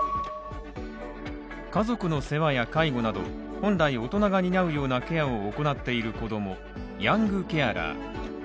家族の世話や介護など本来大人が担うようなケアを行っている子供、ヤングケアラー。